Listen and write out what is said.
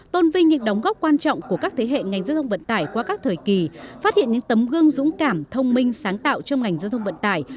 tôn vinh những đóng góp quan trọng của các thế hệ ngành giao thông vận tải qua các thời kỳ phát hiện những tấm gương dũng cảm thông minh sáng tạo trong ngành giao thông vận tải